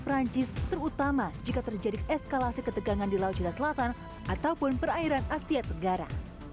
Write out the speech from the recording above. perancis terutama jika terjadi eskalasi ketegangan di laut cina selatan ataupun perairan asia tenggara